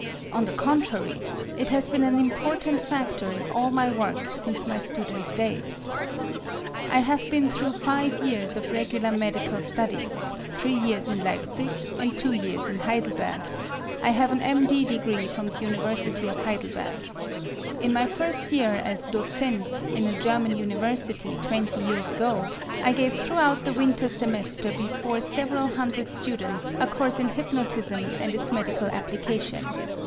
On the contrary, it has been an important factor in all my work since my student days. I have been through five years of regular medical studies, three years in Leipzig and two years in Heidelberg; I have an M.D. degree from the University of Heidelberg. In my first year as docent in a German university twenty years ago, I gave throughout the winter semester before several hundred students a course in hypnotism and its medical application.